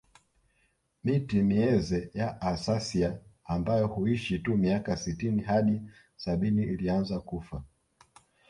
Miti mizee ya Acacia ambayo huishi tu miaka sitini hadi sabini ilianza kufa